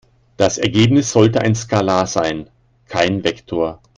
Das Ergebnis sollte ein Skalar sein, kein Vektor.